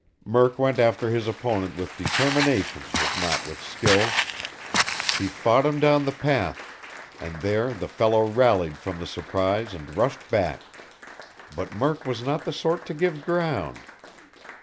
Murk went after his opponent with determination if not with skill. He fought him down the path, and there the fellow rallied from the surprise and rushed back. But Murk was not the sort to give ground.